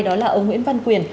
đó là ông nguyễn văn quyền